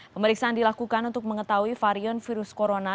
pemeriksaan dilakukan untuk mengetahui varian virus corona